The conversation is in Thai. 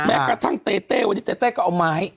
แม้กระทั่งเต้เต้วันนี้เต้เต้ก็เอาไม้